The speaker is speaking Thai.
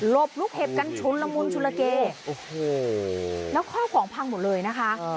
ลบลูกเห็ดกันชุนละมุนชุนละเกแล้วข้อของพังหมดเลยนะคะ